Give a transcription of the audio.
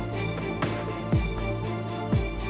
เตรียมตอนปรารถิ่ม